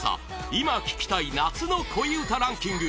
今聴きたい夏の恋うたランキング